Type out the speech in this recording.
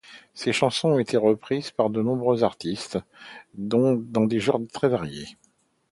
Ses chansons ont été reprises par de nombreux artistes, dans des genres très variés.